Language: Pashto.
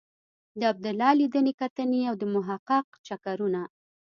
د عبدالله لیدنې کتنې او د محقق چکرونه.